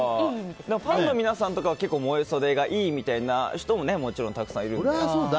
ファンの皆さんとかも結構萌え袖がいいみたいな人ももちろんたくさんいると思いますけど。